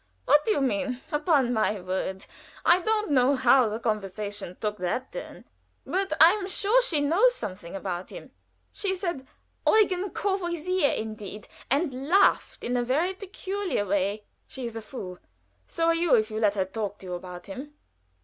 What do you mean? Upon my word I don't know how the conversation took that turn; but I am sure she knows something about him. She said 'Eugen Courvoisier indeed!' and laughed in a very peculiar way." "She is a fool. So are you if you let her talk to you about him."